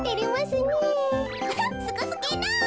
すごすぎる。